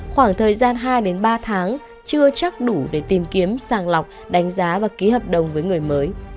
khoảng thời gian hai ba tháng chưa chắc đủ để tìm kiếm sàng lọc đánh giá và ký hợp đồng với người mới